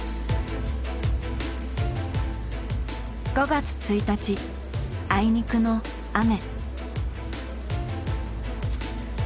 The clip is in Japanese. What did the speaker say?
５月１日あいにくの雨。